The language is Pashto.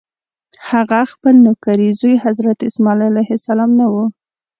هغه خپل نوکرې زوی حضرت اسماعیل علیه السلام نه و.